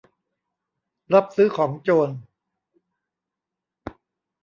รับซื้อของโจร